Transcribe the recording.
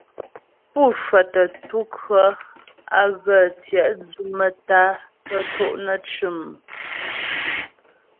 Pú cwətə ntu kʉɔ̌ á ghə tyɛ'dwʉ maə́tá'a tə to' nə́ cʉ̂m.